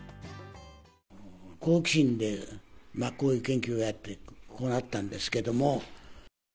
好奇心でこういう研究をやって、もらったんですけれども。